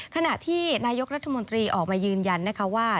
ขณะที่นายกรัฐมนตรีออกมายืนยันนะคะว่า